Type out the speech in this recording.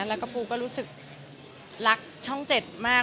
แล้วก็ปูก็รู้สึกรักช่อง๗มาก